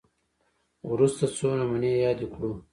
وروسته څو نمونې یادې کړو